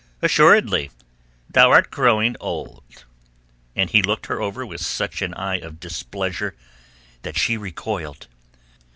Assuredly thou art growing old." And he looked her over with such an eye of displeasure that she recoiled.